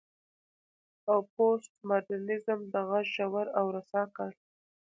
او پوسټ ماډرنيزم دا غږ ژور او رسا کړ.